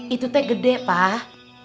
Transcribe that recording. itu teh gede pak